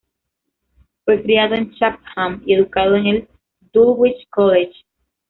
Fue criado en Clapham y educado en el Dulwich College.